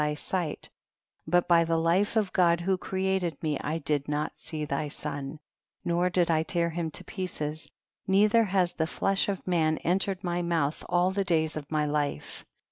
thy sight, but by the hfe of God who created me, I did not see thy son, nor did I tear him to pieces, neiliier has the flesh of man entered my mouth all the days of my life.